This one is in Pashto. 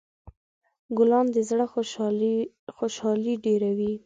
ګلان د زړه خوشحالي ډېروي.